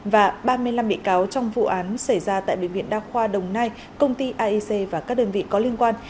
và ba mươi năm bị cáo trong vụ án xảy ra tại bệnh viện đa khoa đồng nai công ty aic và các đơn vị có liên quan